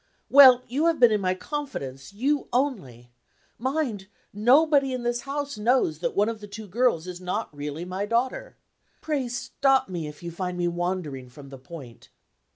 well! you have been in my confidence you only. Mind! nobody in this house knows that one of the two girls is not really my daughter. Pray stop me, if you find me wandering from the point.